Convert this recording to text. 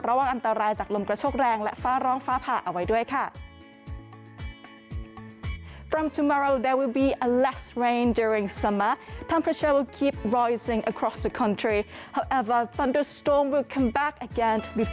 ระวังอันตรายจากลมกระโชคแรงและฟ้าร้องฟ้าผ่าเอาไว้ด้วยค่ะ